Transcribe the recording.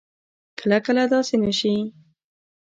کله کله داسې نه شي